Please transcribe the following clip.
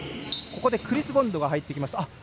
クリス・ボンドが入ってきました。